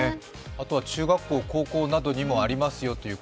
あとは中学校、高校などにもありますよという